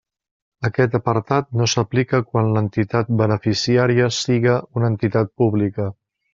Aquest apartat no s'aplica quan l'entitat beneficiària siga una entitat pública.